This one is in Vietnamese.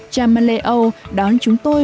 cha ma lê âu đón chúng tôi